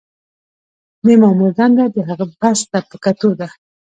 د مامور دنده د هغه بست ته په کتو ده.